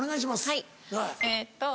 はいえっと